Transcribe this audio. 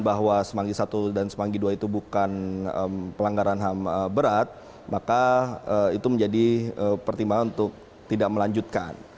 bahwa semanggi i dan semanggi ii itu bukan pelanggaran ham berat maka itu menjadi pertimbangan untuk tidak melanjutkan